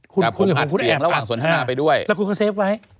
ผมอัดเสียงระหว่างสนทนาไปด้วยแล้วคุณก็เซฟไหม